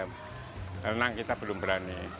renang kita belum berani